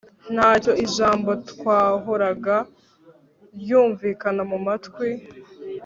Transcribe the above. ntacyo! ijambo ryahoraga ryumvikana mu matwi ..